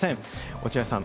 落合さん